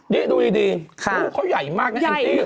นี่ดูดีขอบคุณมากเขาใหญ่มากนะแอ้อินซี่